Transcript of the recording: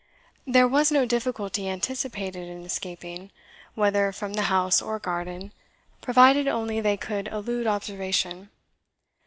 There was no difficulty anticipated in escaping, whether from the house or garden, provided only they could elude observation.